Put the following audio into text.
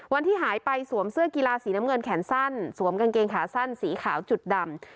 วันที่หายไปสวมเสื้อกีฬาสีน้ำเงินแขนสั้นสวมกางเกงขาสั้นสีขาวจุดดำ